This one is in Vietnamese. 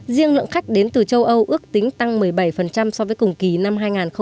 riêng lượng khách đến từ châu âu ước tính tăng một mươi bảy so với cùng kỳ năm hai nghìn một mươi chín